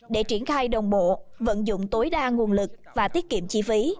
để triển khai đồng bộ vận dụng tối đa nguồn lực và tiết kiệm chi phí